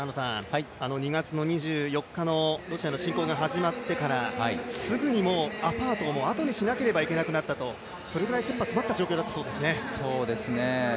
２月２４日のロシアの侵攻が始まってからすぐにアパートを後にしなければいけなくなったとそれくらいせっぱ詰まった状況だったそうですね。